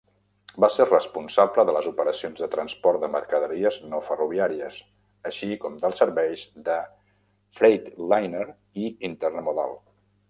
Va ser responsable de les operacions de transport de mercaderies no ferroviàries, així com dels serveis de Freightliner i Intermodal.